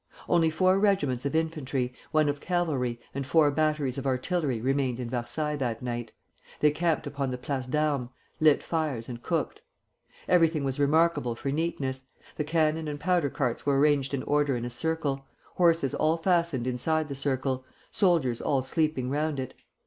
"Only four regiments of infantry, one of cavalry, and four batteries of artillery remained in Versailles that night. They camped upon the Place d'Armes, lit fires, and cooked. Everything was remarkable for neatness; the cannon and powder carts were arranged in order in a circle, horses all fastened inside the circle, soldiers all sleeping round it.